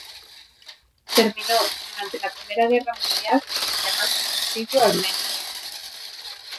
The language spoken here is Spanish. Terminó, durante la Primera Guerra Mundial con el llamado genocidio armenio.